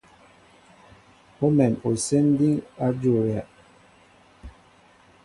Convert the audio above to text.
Awém osɛm diŋ a jolia.